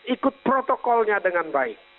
ikut protokolnya dengan baik